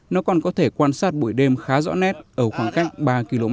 nó còn có thể quan sát buổi đêm khá rõ nét ở khoảng cách ba km